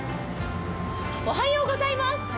おはようございます。